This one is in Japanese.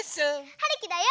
はるきだよ！